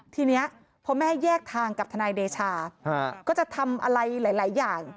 ทีนี้พอแม่แยกทางกับทนายเดชาก็จะทำอะไรหลายอย่าง